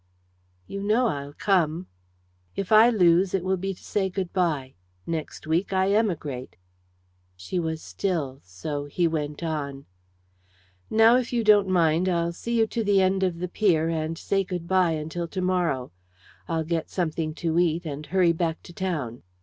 "You know I'll come!" "If I lose it will be to say goodbye. Next week I emigrate." She was still, so he went on "Now, if you don't mind, I'll see you to the end of the pier, and say goodbye until tomorrow. I'll get something to eat and hurry back to town."